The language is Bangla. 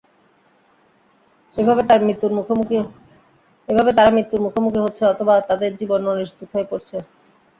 এভাবে তারা মৃত্যুর মুখোমুখি হচ্ছে অথবা তাদের জীবন অনিশ্চিত হয়ে পড়ছে।